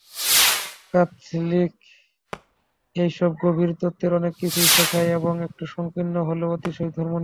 Catholic এইসব গভীর তত্ত্বের অনেক কিছুই শেখায়, এবং একটু সংকীর্ণ হলেও অতিশয় ধর্মনিষ্ঠ।